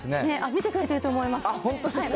見てくれてると思います。